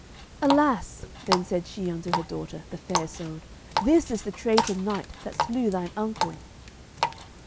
"Alas," then said she unto her daughter, the Fair Isoud, "this is the traitor knight that slew thine uncle."